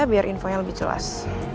biar infonya lebih jelas